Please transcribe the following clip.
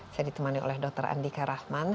saya ditemani oleh dr andika rahman